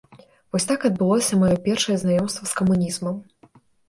Вось так адбылося маё першае знаёмства з камунізмам.